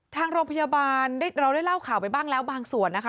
ทางโรงพยาบาลเราได้เล่าข่าวไปบ้างแล้วบางส่วนนะคะ